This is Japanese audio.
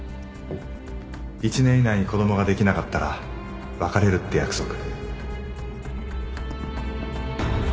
１年以内に子供ができなかったら別れるって約束